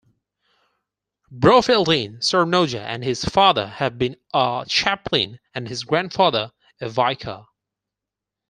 Brofeldtin saarnoja and his father had been a chaplain and his grandfather a vicar.